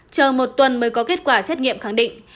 chờ một tuần mới có kết quả xét nghiệm khẳng định